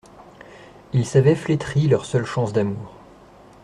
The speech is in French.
Ils savaient flétrie leur seule chance d'amour.